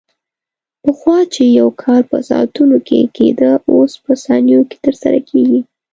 پخوا چې یو کار په ساعتونو کې کېده، اوس په ثانیو کې ترسره کېږي.